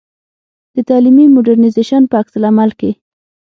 د تعلیمي مډرنیزېشن په عکس العمل کې.